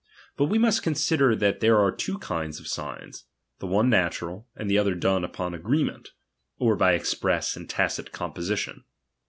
But J'l',"^")"^ we must consider that there are two kinds of signs ; the one natural ; the other done upon agreement, or by express or tacit composition.